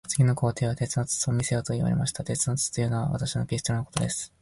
次に皇帝は、鉄の筒を見せよと言われました。鉄の筒というのは、私のピストルのことです。